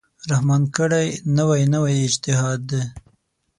رحمان کړی، نوی نوی اجتهاد دی